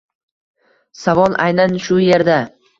Savol aynan shu erda